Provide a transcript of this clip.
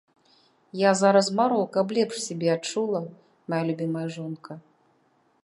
Я зараз мару, каб лепш сябе адчула мая любімая жонка.